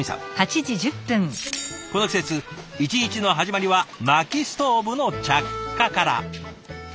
この季節一日の始まりはまきストーブの着火から。